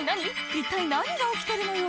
一体何が起きてるのよ